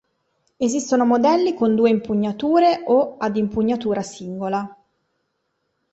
Esistono modelli con due impugnature o ad impugnatura singola.